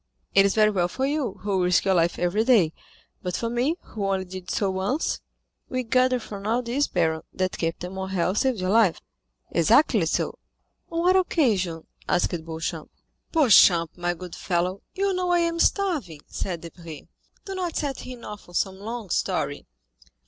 It is very well for you, who risk your life every day, but for me, who only did so once——" "We gather from all this, baron, that Captain Morrel saved your life." "Exactly so." "On what occasion?" asked Beauchamp. "Beauchamp, my good fellow, you know I am starving," said Debray: "do not set him off on some long story."